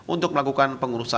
untuk melakukan pengurusan